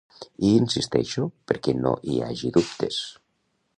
Hi insisteixo perquè no hi hagi dubtes.